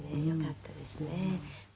「よかったですね」